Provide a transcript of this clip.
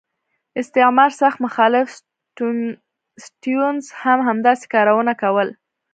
استعمار سخت مخالف سټیونز هم همداسې کارونه کول.